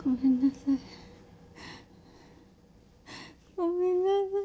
ごめんなさい。